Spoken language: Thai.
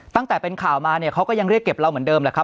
ตั้งแต่เป็นข่าวมาเนี่ยเขาก็ยังเรียกเก็บเราเหมือนเดิมแหละครับ